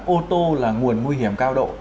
ô tô là nguồn nguy hiểm cao độ